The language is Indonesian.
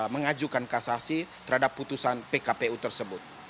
mengajukan kasasi terhadap putusan pkpu tersebut